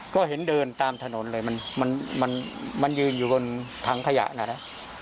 ก็เห็นเดินตามถนนเลยมันมันมันมันมันยืนอยู่กันทางขยะนั่นแหละ